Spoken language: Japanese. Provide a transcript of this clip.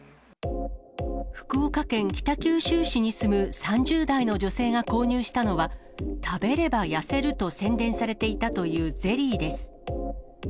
福岡県北九州市に住む３０代の女性が購入したのは、食べれば痩せると宣伝されていたというゼリーです。